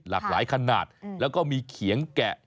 หลากหลายขนาดแล้วก็มีเขียงแกะ